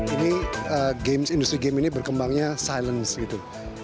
ini games industri game ini berkembangnya silence gitu